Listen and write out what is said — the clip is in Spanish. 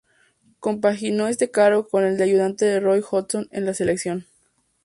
Compaginó este cargo con el de ayudante de Roy Hodgson en la selección.